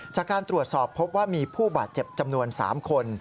จากการตรวจสอบพบว่ามีผู้บาดเจ็บจำนวน๓คน